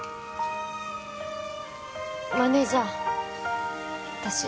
マネージャー私